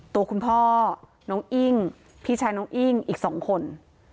ตัวคุณพ่อน้องอิ้งพี่ชายน้องอิ้งอีก๒คน